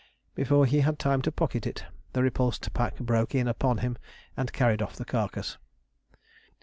Before he had time to pocket it, the repulsed pack broke in upon him and carried off the carcass.